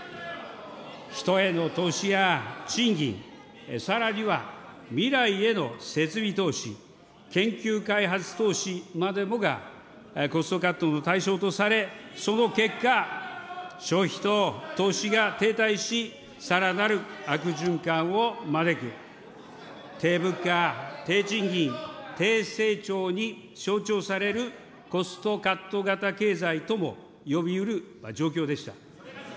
人への投資や賃金、さらには未来への設備投資、研究開発投資までもがコストカットの対象とされ、その結果、消費と投資が停滞し、さらなる悪循環を招く、低物価・低賃金・低成長に象徴されるコストカット型経済とも呼びうる状況でした。